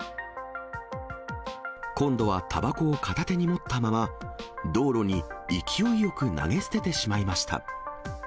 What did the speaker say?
今度はたばこを片手に持ったまま、道路に勢いよく投げ捨ててしまいました。